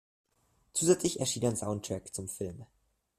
Zusätzlich erschien ein Soundtrack zum Film.